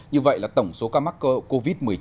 như vậy là tổng số ca mắc covid một mươi chín